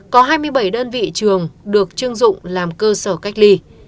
có hai mươi bảy đơn vị trường được chưng dụng làm cơ sở cách ly